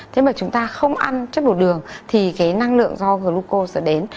thế mà chúng ta không ăn chất bột đường thì cái năng lượng do glucose sẽ đến